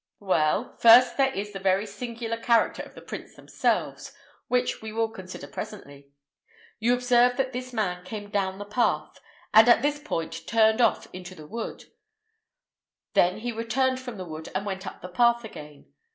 "Well, first there is the very singular character of the prints themselves, which we will consider presently. You observe that this man came down the path, and at this point turned off into the wood; then he returned from the wood and went up the path again.